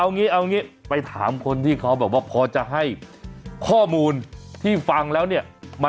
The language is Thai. เอางี้เอางี้ไปถามคนที่เขาแบบว่าพอจะให้ข้อมูลที่ฟังแล้วเนี่ย